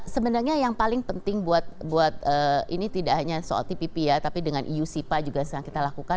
sebenarnya yang paling penting buat ini tidak hanya soal tpp ya tapi dengan eusipa juga sedang kita lakukan